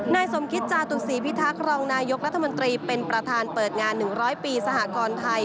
นายสมคิตจาตุศีพิทักษ์รองนายกรัฐมนตรีเป็นประธานเปิดงาน๑๐๐ปีสหกรไทย